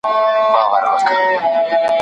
که لویدیځوال راسي اقتصاد به بدل سي.